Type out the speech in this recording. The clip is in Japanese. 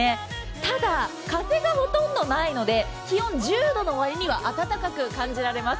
ただ、風がほとんどないので気温１０度の割には暖かく感じられます。